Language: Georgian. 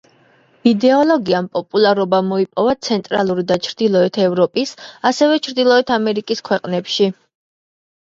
იდეოლოგიამ პოპულარობა მოიპოვა ცენტრალური და ჩრდილოეთ ევროპის, ასევე ჩრდილოეთ ამერიკის ქვეყნებში.